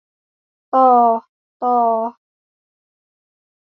ตอ ฏอ